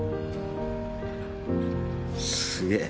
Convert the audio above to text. すげえ。